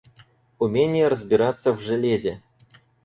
Умение разбираться в железе